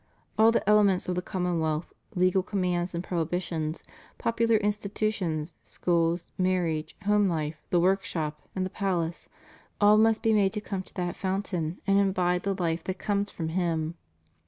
All the elements of the commonwealth; legal commands and prohibitions, popular institutions, schools, marriage, home life, the workshop, and the palace, all must be made to come to that fountain and imbibe the Hfe that comes from Him.